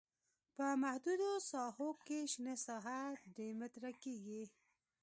په محدودو ساحو کې شنه ساحه درې متره کیږي